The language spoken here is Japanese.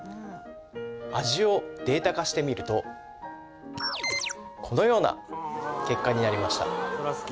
味をデータ化してみるとこのような結果になりました